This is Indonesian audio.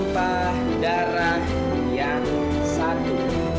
dan darah yang satu